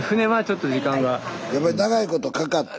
やっぱり長いことかかって。